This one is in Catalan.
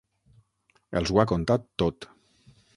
Els ho ha contat tot.